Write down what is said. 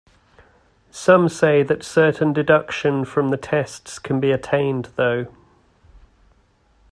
Some say that certain deduction from the tests can be attained, though.